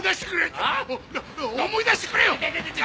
なあ思い出してくれよ！